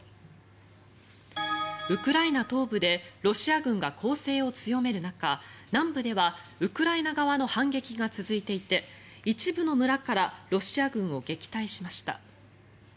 ウクライナ東部でロシア軍が攻勢を強める中南部ではウクライナ側の反撃が続いていて一部の村からロシア軍を撃退しました。